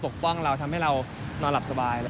ป้องเราทำให้เรานอนหลับสบาย